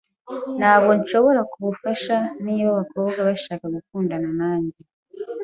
Ntabwo nshobora kubufasha niba abakobwa bashaka gukundana nanjye.